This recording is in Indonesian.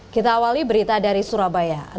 kita awali berita dari surabaya